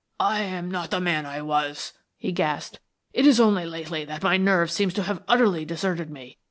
"I am not the man I was," he gasped. "It is only lately that my nerve seems to have utterly deserted me.